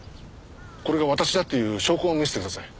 これが私だっていう証拠を見せてください。